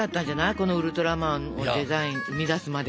このウルトラマンのデザイン生み出すまで。